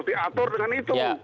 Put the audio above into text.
diatur dengan itu